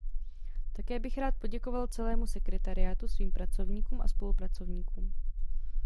Také bych rád poděkoval celému sekretariátu, svým pracovníkům a spolupracovníkům.